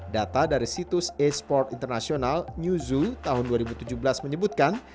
data dari situs esport international newzoo tahun dua ribu tujuh belas menyebutkan